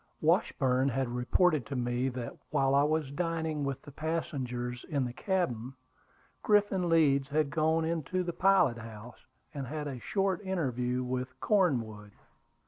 Washburn had reported to me that, while I was dining with the passengers in the cabin, Griffin Leeds had gone into the pilot house and had a short interview with Cornwood.